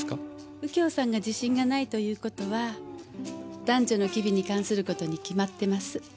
右京さんが自信がないという事は男女の機微に関する事にきまってます。